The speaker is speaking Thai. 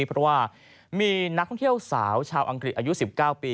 เพราะว่ามีนักท่องเที่ยวสาวชาวอังกฤษอายุ๑๙ปี